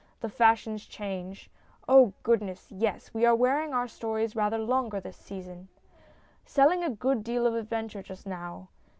The fashions change. Oh, goodness. Yes. We are wearing our stories MINIATURES 271 rather longer this season. Selling a good deal of adventure just now.